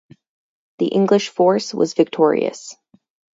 The English force was victorious.